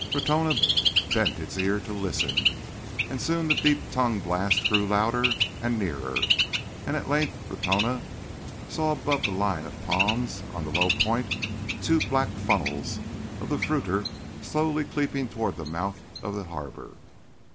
Ratona bent its ear to listen; and soon the deep tongued blast grew louder and nearer, and at length Ratona saw above the line of palms on the low "point" the two black funnels of the fruiter slowly creeping toward the mouth of the harbour.